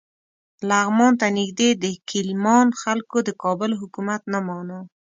لغمان ته نږدې د کیلمان خلکو د کابل حکومت نه مانه.